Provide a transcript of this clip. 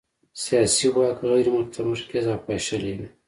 سیاسي واک غیر متمرکز او پاشلی و.